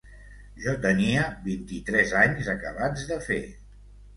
Jo tenia vint-i-tres anys acabats de fer.